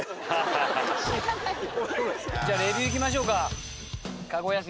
じゃあレビューいきましょうか「駕籠休み」。